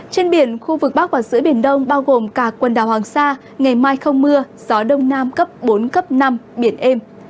trên biển khu vực bắc và giữa biển đông bao gồm cả quần đảo hoàng sa ngày mai không mưa gió đông nam cấp bốn cấp năm biển êm